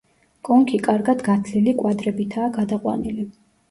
კონქი კარგად გათლილი კვადრებითაა გადაყვანილი.